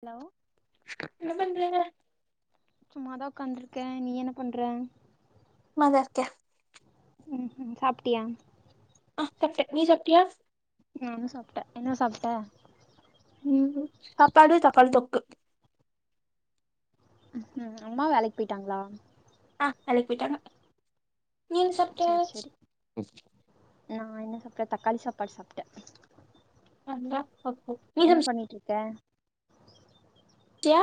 hello என்ன பண்றீங்க சும்மாதா உக்காந்துருக்கே நீ என்ன பண்ற சும்மாதா இருக்கே ம் ம் சாப்டியா ஆ சாப்டே நீ சாப்டியா நானு சாப்ட்டே என்ன சாப்ட்ட ம் ம் சாப்பாடு தக்காளி தொக்கு ம் ம் அம்மா வேலைக்கு போயிட்டாங்களா ஆ வேலைக்கு போயிட்டாங்க நீ என்ன சாப்ட சேரி சேரி ம் நா என்ன சாப்பாடு தக்காளி சாப்பாடு சாப்ட்டே வந்தா பாப்போம் என்ன பண்ணிட்டு இருக்க கியா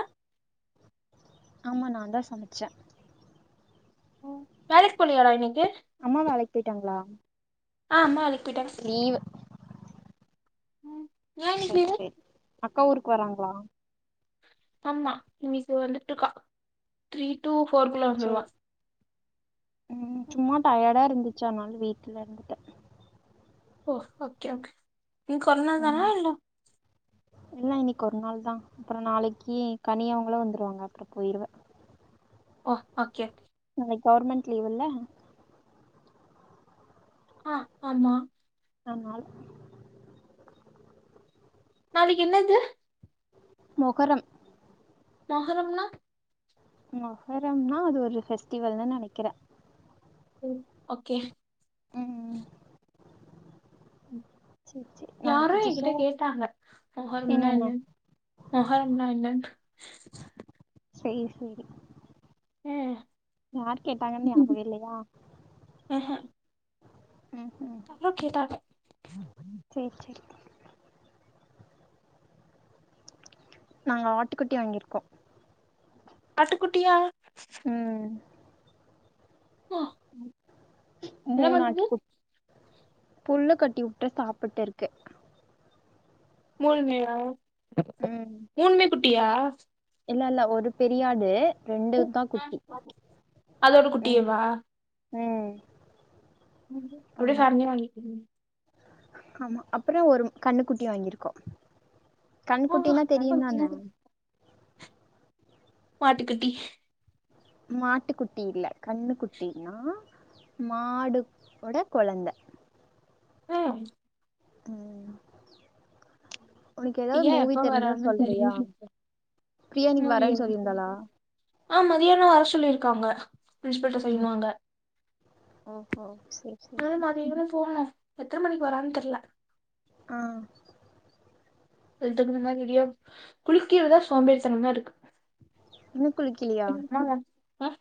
ஆமா நா தா சமச்சே ம் வேலைக்கு போலயாடா இன்னைக்கு அம்மா வேலைக்கு போயிட்டாங்களா ஆ அம்மா வேலைக்கு போய்ட்டாங்க லீவு ம் ஏன் இன்னைக்கு சேரி லீவு சேரி அக்கா ஊருக்கு வராங்களா ஆமா இன்னைக்கு வந்துட்டு இருக்கா த்ரீ டு ஃபோர் குள்ள வந்துடுவா ம் ம் சும்மா டயர்டா இருந்துச்சு அதனால வீட்டுல இருந்துட்டே ஓ ஓகே ஓகே இன்னைக்கு ஒரு நாள் தானா ம் இல்ல இல்ல இன்னைக்கு ஒரு நாள் தா அப்புறோ நாளைக்கு கனி அவுங்களா வந்துடுவாங்க அப்புறோ போயிருவே ஓ ஓகே ஓகே இன்னைக்கு கவர்மெண்ட் லீவு இல்ல ஆ ஆமா ஆனால் நாளைக்கு என்ன இது மொகரம் மொகரம்ன்னா மொகரம்ன்னா அது ஒரு ஃபெஸ்டிவல்ன்னு நெனைக்கிறே ம் ஓகே ம் சேரி சேரி நாங்க யாரே புதுசா என்கிட்ட கேட்டாங்க மொகரம்ன்னா என்னென்ன என்னன்னு மொகரம்ன்னா என்னன்னு சேரி சேரி ம் யார் கேட்டாங்கன்னு ஞாபக இல்லையா ம் ம் யாரோ கேட்டாங்க சேர் சேரி நாங்க ஆட்டுக்குட்டி வாங்கிருக்கோ ஆட்டுக்குட்டியா ம் ஆ என்ன மூணு பண்ணுது ஆட்டுக்குட் புல்லு கட்டிவுட்டே சாப்பிட்டு இருக்கு மூணுமேயா ம் மூண்மே குட்டியா இல்ல இல்ல ஒரு பெரியாடு ரெண்டு தா ஆ, குட்டி அதோட ம் குட்டியேவா ம் அப்டியே ஆமா சார்ன்னி வாங்கி ஆமா அப்பறோ ஒரு கண்ணுக்குட்டி வாங்கிருக்கோ ஓ, கண்குட்டின்னா தெரியு தானே மாட்டுகுட்டி மாட்டுக்குட்டி இல்ல கண்ணுக்குட்டினா மாடு ஓட கொழந்த ம் ம் ஒனக்கு ஏதாவது ஏன் மூவி எப்ப தெரிஞ்சா வரான்னு சொல்றியா தெரியல பிரியா இன்னிக்கு மூவி வரேன்னு சொல்லியிருந்தாளா ஆ மதியானம் வர சொல்லியிருக்காங்க பிரின்ஸ்பல்ட்ட சய்ன் வாங்க ஓ ஹோ செரி செரி நீங்களும் போக எத்தன மணிக்கு வராருன்னு தெரில்ல ஆ எழுத்துக்கனும மறுபடியும் குளிக்கிறதுதா சோம்பேறித்தனமா இருக்கு இன்னு குளிக்கலையா குளிக்கனுமா ஆஹ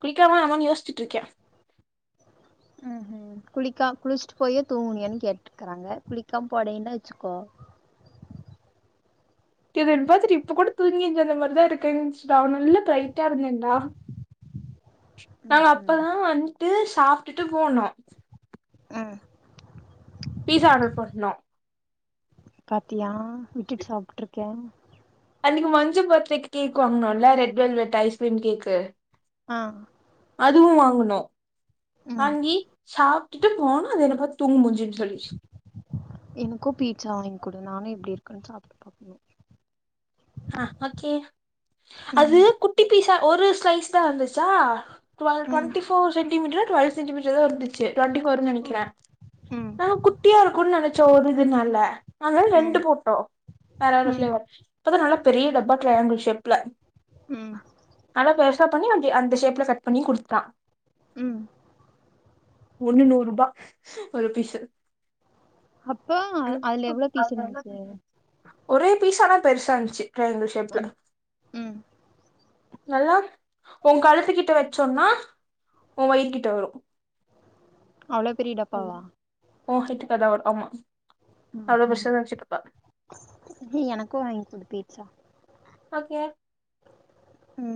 குளிக்கலாமா வேணாமான்னு யோசிச்சிட்டு இருக்கேன் ம் குளிக்கா குளிச்சுட்டு போயே தூங்கினியான்னு கேட்டே க்கறாங்க குளிக்காம போனோன்னா வெச்சுக்கோ இத என்ன பாத்துட்டு இப்ப கூட தூங்கி எஞ்சு வந்த மாரி தான் இருக்கு நல்ல பெரைட்டா இருந்தே நா ம் நாங்க ம் அப்பதான் வந்ட்டு சாப்ட்டுட்டு போனோம் ம் பீஸா ஆர்டர் பண்ணோ பாத்தியா விட்டுட்டு சாப்பிட்டுருக்கே அன்னைக்கு மஞ்சு பெர்த்டேக்கு கேக் வாங்குனோல்ல ரெட் வெல்வெட் ஐஸ்கிரீம் கேக்கு ஆ அதுவும் வாங்குனோ ம் வாங்கி சாப் ட்டுட்டு போனோ அது என்ன பாத்து தூங்கு மூஞ்சின்னு சொல்லிச்சு எனக்கும் பீட்சா வாங்கிக்குடு நானும் எப்டி இருக்குன்னு சாப்ட்டு பாக்கணு ஆ ஓகே அது ம் குட்டி பீசா ஒரு ஸ்லைஸா வந்துச்சா டுவல் ம் twenty four centimetre twelve centimetre தான் இருந்துச்சு டுவண்டி ஃபோர்ன்னு ம் நெனக்கிறே ம் நாங்க குட்டியா இருக்குன்னு நெனச்சோ ஒரு இதுனால ஆனால ரெண்டு ம் போட்டோம் வேற வேற ம் பிளேவர் பாத்த நல்லா பெரிய டப்பா ட்ரையாங்கிள் ஷேப்ல ம் நல்லா பெருசா பண்ணி அ அந்த ஷேப்ல கட் பண்ணி குடுத்தான் ம் ஒன்னு நூறுபா ஒரு பீஸ்சு அப்போ அதுல அனுப்பு எவ்ளோ பீஸ் அவங்க எல்ல இருந்துச்சு [inaudible] ஒரே பீசு ஆனா பெருசா இர்ந்துச்சு ட்ரையாங்கிள் ஷேப்ல ம் ம் நல்லா ஓ கழுத்து கிட்ட வெச்சோன்னா ஓன் வயிற்கிட்ட வரும் அவ்ளோ பெரிய டப்பாவா ஓ ஹைட்டுக்கு அதான் வரும் ஆமா அவ்ளோ பெருசாதா வச்சுட்ருப்பா ம் எனக்கும் வாங்கி கொடு பீச்சா ஓகே ம்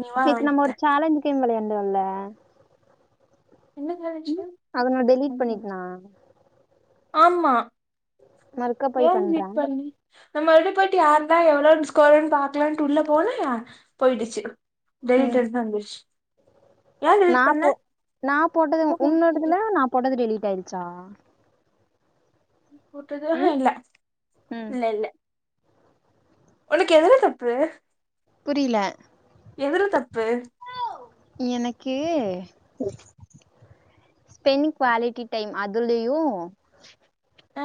நீ வா நேத்து நம்ம ஒரு வாங்கித்தர சாலஞ்சு கேம் வெளாண்டோம்ல என்ன சாலஞ்சு கேம் அத நான் டெலீட் பண்ணிட்டேனா ஆமா மறுக்கா போய் ஏன்னுங்க பண்றே மீட் பண்ணி நம்ப இலுபட்டி ஆளுள்ளா எவ்வளவு ஸ்கோர்ன்னு பாக்கலாம்ட்டு உள்ள போனா ய போயிடுச்சு ம் டெலிட்டட்னு வந்த்ருச்சு நா போ நா போட்டது உன்னோடதுல நா போட்டது டெலீட் ஆயிடுச்சா போட்டது ம் இல்ல ம் இல்ல இல்ல உனக்கு எதுல தப்பு புரில எதுல தப்பு எனக்கு பென் க்வாலிட்டி டைம் அதுலயு ஆ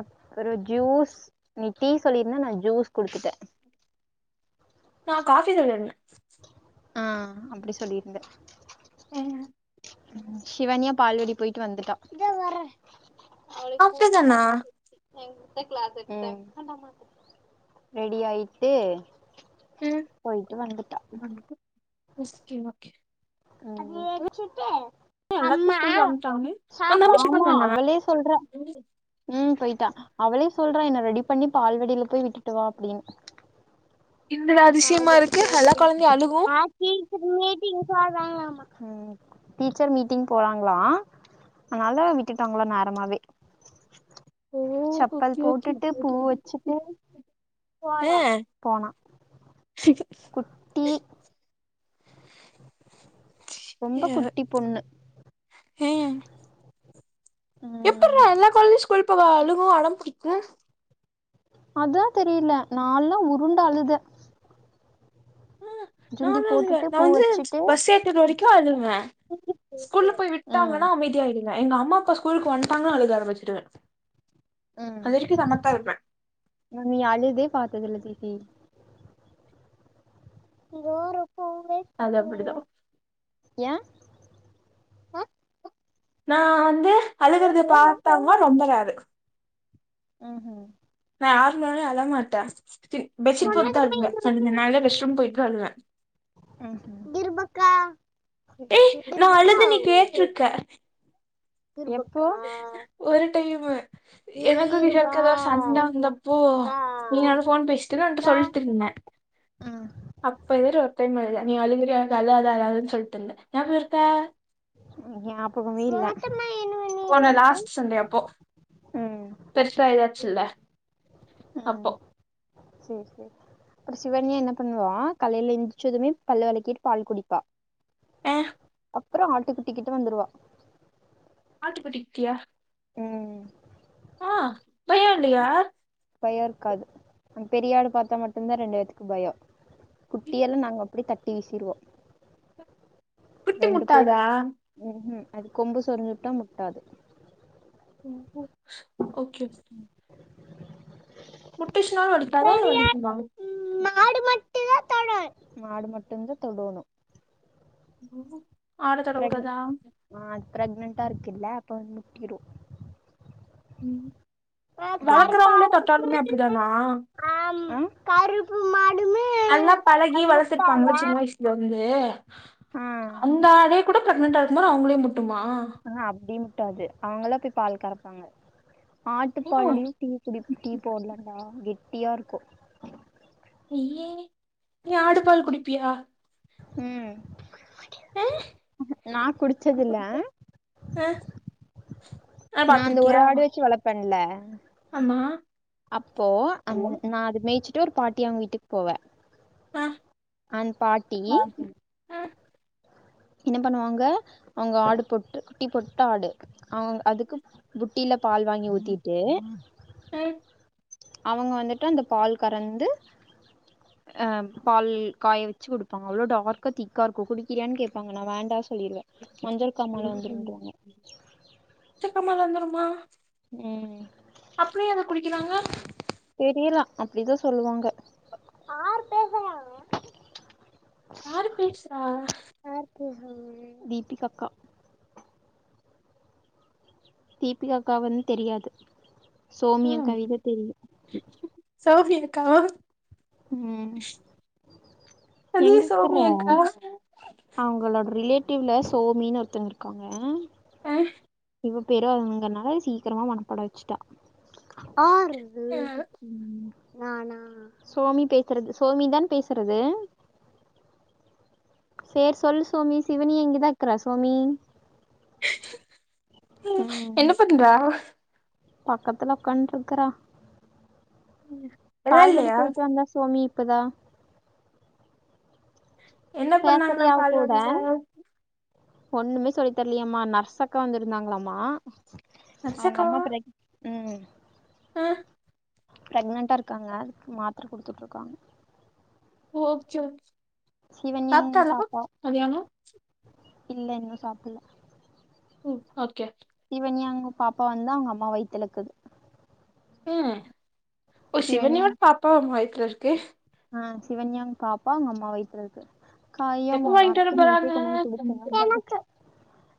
அப்பற ஜூஸ் நீ டீ சொல்லிருந்த நா ஜூஸ் குடுத்துட்ட நா காஃபி சொல்லிடுந்த ஆ அப்டி சொல்லியிருந்த ம் ஷிவானியா பால்வாடி போயிட்டு வந்துட்டா அப்டிதானா ம் ரெடி ஆயிட்டு ம் போயிட்டு வந்துட்டா ஓகே ஓகே அ எல்லாத்துக்கு ஆமா ஸ்கூலுக்கு அனுப்ட்டாங்க உன் தம்பி ஸ்கூலுக்கு போனானா அவளே சொல்றா ம் போயிட்டா அவளே சொல்றா என்ன ரெடி பண்ணி பால்வாடியில போய் விட்டுட்டு வா அப்டின்னு என்னடா அதிசயமா இருக்கு எல்லா கொழந்தையு போயிடுவாங்க அழுகு ஆ டீச்சர் மீட்டிங் ம் டீச்சர் மீட்டிங் போறாங்களா அதனால விட்டுட்டாங்களா நேரமாவே ஓ சப்பல் ஓகே ஓகே போட்டுட்டு பூ வச்சுட்டு ஆ போனா குட்டி ரொம்ப குட்டி பொண்ணு அ எப்ட்றா ம் எல்லா கொழந்தயு ஸ்கூல் போக அழுவு அடம்புடிக்கும் அதா தெரில நால்லா உருண்டு அழுத ஆ சுண்டி நானு அழுவ போட்டுட்டு நா பூ வந்து வச்சுட்டு பஸ் ஏத்தி விட்ற வரைக்கும் க்கும் அழுவ ஸ்கூல்ல போய் ம் விட்டாங்கன்னா அமைதியா ஆயிடு எங்க அம்மா அப்பா ஸ்கூலுக்கு வந்துட்டாங்கன்னா அழுக ஆரம்பிச்சிருவ ம் அது வரைக்கும் சமத்தா இருப்ப நா நீ அழுதே பாத்ததில்ல ஸ்வீட்டி அது அப்டிதா ஏய நா வந்து அழுகுறத பார்த்தாகங்கனா நம்பராரு ம் ம் நா யாரு முன்னாடியு அழ மாட்ட சிரி பெட்ஷீட் போட்டு தா ம்ஹூம் அழுவ [unintelligible] நான்ல்லா ரெஸ்ட் ரூம் போயிட்டு தா அழுவ ம் ம் ஏ நா அழுது நீ கேட்ருக்க எப்போ ஒரு டைமு எனக்கு கிஷோருக்கு எதோ ஒரு சண்ட வந்தப்போ நீயு நானு ஃபோன் பேசிட்ருந்தோ உன்ட்ட சொல்ட்ருந்தே ம் அப்ப இது மாரி ஒரு டைம் அழுத நீ அழுகிறியா அழாதே அழாதேனு சொல்ட்ருந்தே ஞாபகோ இருக்கா ஞாபகமே இல்ல போன லாஸ்ட் சண்டே அப்போ ம் பெருசா இதாச்சில்லே அப்போ சேர் சேர் அப்றோ சிவன்யா என்ன பண்ணுவா காலைல எழுந்திச்சதுமே பல்லு வெளக்கிட் பால் குடிப்பா அ அப்றோ ஆட்டு குட்டிகிட்டு வந்துருவா ஆட்டுக்குட்டிக்ட்டியா ம் ஆ பயோ இல்லையா பயோ இருக்காது அந்த பெரியாடு பாத்தா மட்டுந்தா ரெண்டு பேத்துக்கு பயோ குட்டியெல்லா நாங்க அப்டியே தட்டி வீசிருவோ குட்டி ரெண்டு பேரு முட்டாதா ம் ஹூம் அது கொம்பு சொரிஞ்சுட்டா முட்டாது ஓ ஹோ ஓகே முட்டுச்சுனா வலிக்காதா இல்ல வலிக்குமா தடு மாடு மட்டுந்தா தொடோனு ஆடு தொட ப்ரெக் கூடதா ஆ அது பிரெக்னன்டா இருக்குல்ல அப்ப வந் முட்டிரு ம் ஆ வளக்றவங்ளே தொட்டாலுமே அப்டிதானா ம் நல்லா பழகி வளத்ருப்பாங்கல்ல முட்டாதா சின்ன வயசுலருந்து ஆ அந்த ஆடே கூட ப்ரெக்னன்டா இருக்கும்போது அவுங்ளயே முட்டுமா அ அ அப்டி முட்டாது அவங்களா போய் பால் கறப்பாங்க ஓ ஆட்டுப்பால்லியு டீ குடி டீ போட்லான்னாடா கெட்டியா இருக்கு அய்யே நீ ஆடு பால் குடிப்பியா ம் ஆ நா குடிச்சதில்ல அ நா அந்த ஒரு ஆடு வெச்சு வளபேன்ல்ல ஆமா அப்போ அ ஆ நா அது மேச்சிட்டு ஒரு பாட்டி அவுங்க வீட்டுக் போவே அந் பாட்டி அ என்ன பண்ணுவாங்க அவுங்க ஆடு பொட்டு குட்டி போட்ட ஆடு அவுங் அதுக்கு புட்டில பால் வாங்கி ஊத்திட்டு அவுங்க வந்துட்டு அந்த பால் கறந்து அ பால் காய வெச்சு குடிப்பாங்க அவ்ளோ டார்க்க திக்காக இருக்கு குடிக்றியான் கேப்பாங்க நா வேண்டா சொல்லிருவே மஞ்சள் காமால வந்துருன்றுவாங்க [unintelligible] வந்துருமா ம் அப்ற ஏ அத குடிக்கறாங்க தெரியலா அப்டிதா சொல்லுவாங்க ஆரு பேசுறா யாருக்கு தீபிகா அக்கா தீபிகாக்கா வந்து தெரியாது சோமி ம் அக்காவிதா தெரியு சௌஃபி இருக்கா ம் அதே எங்க இருக்குற சௌவ்மியாக்கா அவங்களோட ரிலேட்டிவ்ல சோமின்னு ஒருத்தங்க இருக்காங்க ஆ இவ பேரு அதுங்கறனால சீக்கிரமா மனப்பாட வச்சுட்டா அ சோமி பேசுறது சோமிதா பேசுறது சேரி சொல்லு சோமி சிவனி இங்கதா இக்கற சோமி ம் என்ன பண்றா பக்கத்துல உ்காண்டு இருக்றா பால்வடி வெளாட்லையா போயிட்டு வந்தா சோமி க்தா என்ன பண்ணாங்களா பேசுறியா அவ கூட பால்வாடில ஒண்ணுமே சொல்லி தர்லியாமா நர்சக்கா வந்திருந்தாங்ளாமா அவுங்க அம்மாக்கு ரெக் ம் ஆ பிரெக்னன்டா இருக்காங்க அதுக்கு மாத்ர குடுத்துட்டு இருக்காங்க ஓகே ஓகே சிவன்யாங்க சாப்ட்டாளா பாப்பா மத்தியானோ இல்ல இன்னு சாப்பில்ல ம் ஓகே சிவன்யாங்க பாப்பா வந்து அவங்க அம்மா வைத்தலுக்கது ம் ஓ சிவன்யா சிவன்யாங் ஓட பாப்பா உங்க வயித்துல இருக்கு ஆ சிவன்யா பாப்பா உங்க அம்மா வயித்துல இருக்கு காயம் எப்ப அங்க வாங்கிட்டு வர அர்ச்சன உ பேர் போறாங்க பண்ணுவாங் முக்கியமா குடுத்தா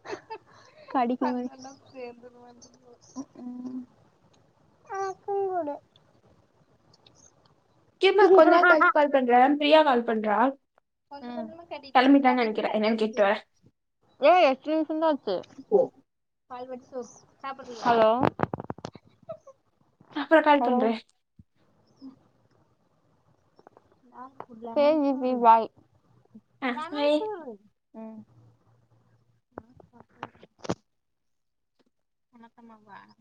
[inaudible] கடிக்கும் போ ம் ஆ கூடு கிருமா கொஞ்ச நேரோ கழிச்சு கால் பண்றே பிரியா கால் பண்றா ம் கொஞ்ச கொஞ்சமா கடிச்சு கெளம்பிட்டான்னு நெனைக்கிறே போட்டீங்னா என்னன்னு கேட்டு வரே [unintelligible] ஏ [unintelligible] என்னாச்சு ஹலோ அப்ற கால் ஹலோ பண்றே சேரி பிப்பி பாய் ஆ பாய் ம் என்ன சொன்னாங்க